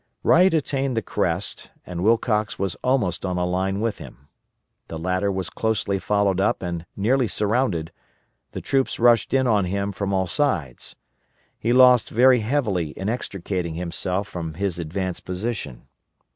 Wright attained the crest and Wilcox was almost on a line with him. The latter was closely followed up and nearly surrounded, for troops rushed in on him from all sides. He lost very heavily in extricating himself from his advanced position.